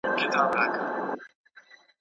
زه له بېرنګۍ سره سوځېږم ته به نه ژاړې